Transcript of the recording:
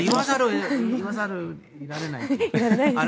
言わざるをいられない。